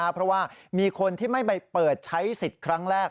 เพราะว่ามีคนที่ไม่ไปเปิดใช้สิทธิ์ครั้งแรก